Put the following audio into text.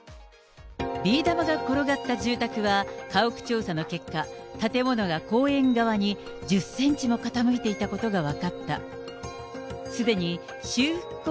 ビー玉が転がった住宅は、家屋調査の結果、建物が公園側に１０センチも傾いていたことが分かった。